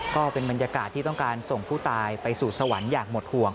ก็เป็นบรรยากาศที่ต้องการส่งผู้ตายไปสู่สวรรค์อย่างหมดห่วง